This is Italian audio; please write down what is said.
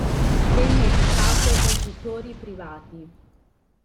Venne educato con tutori privati.